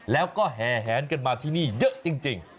แล้วก็แห่แหนกันมาที่นี่เยอะจริง